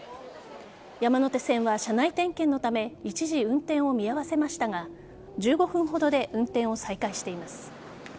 山手線は車内点検のため一時運転を見合わせましたが１５分ほどで運転を再開しています。